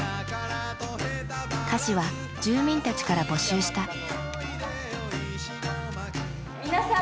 歌詞は住民たちから募集した。